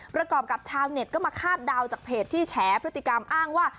ประกอบกับชาวเน็ตก็มาคาดเดาจากเพจที่แฉพฤติกรรมอ้างว่า